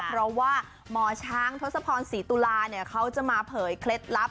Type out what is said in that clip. เพราะว่าหมอช้างทศพรศรีตุลาเนี่ยเขาจะมาเผยเคล็ดลับ